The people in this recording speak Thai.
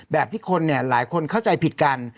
แบบที่คนเนี่ยหลายคนเข้าใจผิดกัน